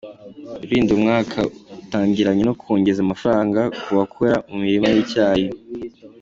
Rulindo Umwaka utangiranye no kongeza amafaranga ku bakora mu mirima y’icyayi